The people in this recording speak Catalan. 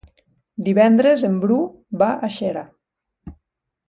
Divendres en Bru va a Xera.